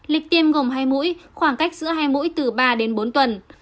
lịch tiêm gồm hai mũi khoảng cách giữa hai mũi từ ba đến bốn tuần